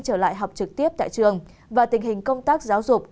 trở lại học trực tiếp tại trường và tình hình công tác giáo dục